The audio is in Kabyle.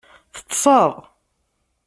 Teṭṭseḍ?